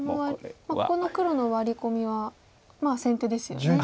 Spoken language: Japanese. ここの黒のワリ込みは先手ですよね。